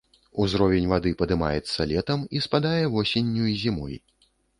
Узровень вады падымаецца летам, і спадае восенню і зімой.